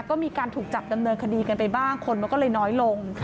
ก็มีการถูกจับดำเนินคดีกันไปบ้างคนมันก็เลยน้อยลง